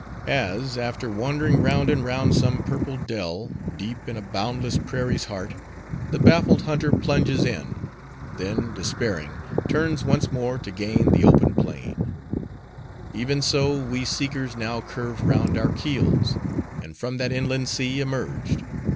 As, after wandering round and round some purple dell, deep in a boundless prairie's heart, the baffled hunter plunges in; then, despairing, turns once more to gain the open plain; even so we seekers now curved round our keels; and from that inland sea emerged.